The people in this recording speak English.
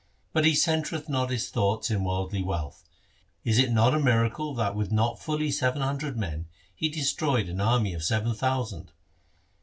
But he centreth not his thoughts in worldly wealth. Is it not a miracle that with not fully seven hundred men he destroyed an army of seven thousand